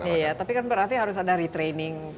iya tapi kan berarti harus ada retraining